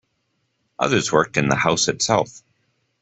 Others worked in the House itself.